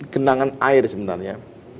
gendangan air sebenarnya